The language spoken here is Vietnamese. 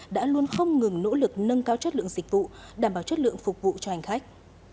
đã luôn không ngừng nỗ lực nâng cao chất lượng dịch vụ đảm bảo chất lượng phục vụ cho hành khách